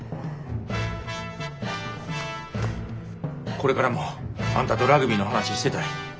これからもあんたとラグビーの話してたい。